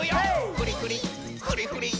「フリフリフリフリ」